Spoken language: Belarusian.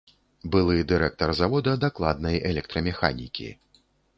Былы дырэктар завода дакладнай электрамеханікі.